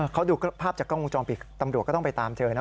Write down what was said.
เขาดูภาพจากกล้องวงจรปิดตำรวจก็ต้องไปตามเจอนะ